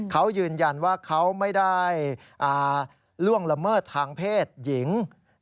เขายืนยันว่าเขาไม่ได้ล่วงละเมิดทางเพศหญิง